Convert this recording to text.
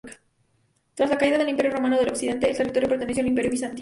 Tras la caída del Imperio romano de Occidente, el territorio perteneció al Imperio bizantino.